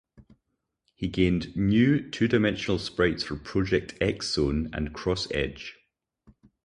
He gained new two-dimensional sprites for "Project X Zone" and "Cross Edge.